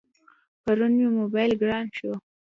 پرون مې موبایل گران شو.